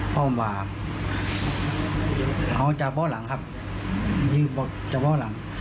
เพราะว่ามันจะเบาะหลังครับยืดเบาะหลัง